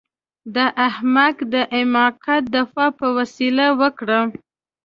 د احمق د حماقت دفاع په وسيله وکړئ.